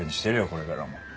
これからも。